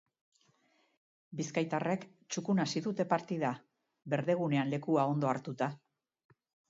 Bizkaitarrek txukun hasi dute partida, berdegunean lekua ondo hartuta.